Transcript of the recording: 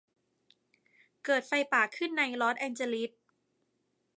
เกิดไฟป่าขึ้นในลอสแองเจลิส